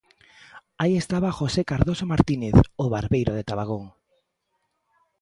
Aí estaba José Cardoso Martínez, O barbeiro de Tabagón.